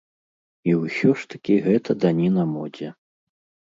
І ўсё ж такі гэта даніна модзе.